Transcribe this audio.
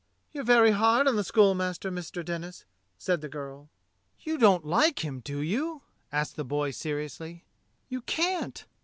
You're very hard on the schoolmaster, Mr. Denis," said the girl. '* You don't like him, do you.^" asked the boy seriously. "You can't!"